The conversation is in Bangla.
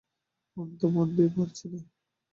অন্তু, মন দিতে পারছি নে।